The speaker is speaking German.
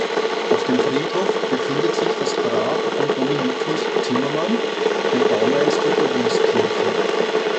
Auf dem Friedhof befindet sich das Grab von Dominikus Zimmermann, dem Baumeister der Wieskirche.